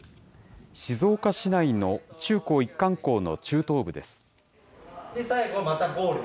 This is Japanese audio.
静岡市内の中高一貫校の中等部です。